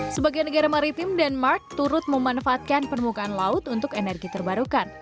sebagai negara maritim denmark turut memanfaatkan permukaan laut untuk energi terbarukan